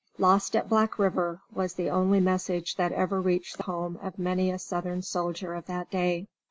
"Lost at Black River," was the only message that ever reached the home of many a Southern soldier of that day.